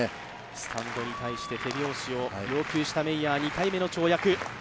スタンドに対して手拍子を要求したメイヤーの跳躍。